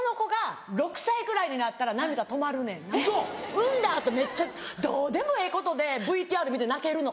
産んだ後めっちゃどうでもええことでＶＴＲ見て泣けるの。